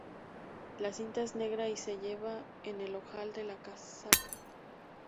La cinta es negra y se lleva en el ojal de la casaca.